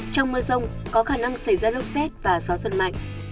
trong mưa rông có khả năng xảy ra lốc xét và gió giật mạnh